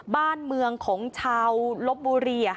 บ้านเมืองของชาวลบบุรี